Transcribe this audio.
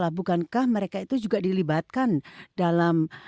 bukankah mereka itu juga dilibatkan dalam